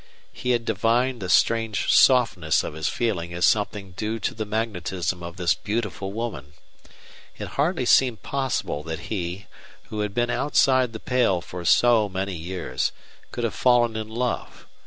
He had divined the strange softness of his feeling as something due to the magnetism of this beautiful woman. It hardly seemed possible that he, who had been outside the pale for so many years, could have fallen in love.